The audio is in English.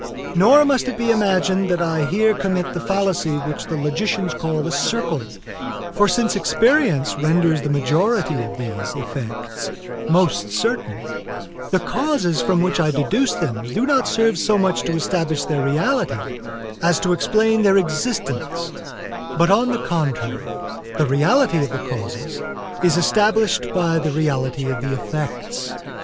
Nor must it be imagined that I here commit the fallacy which the logicians call a circle; for since experience renders the majority of these effects most certain, the causes from which I deduce them do not serve so much to establish their reality as to explain their existence; but on the contrary, the reality of the causes is established by the reality of the effects.